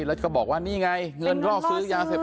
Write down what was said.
แล้วก็บอกว่านี่ไงเงินรอซื้อยาเสพ